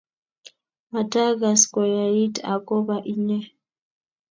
matagas koyait agoba inye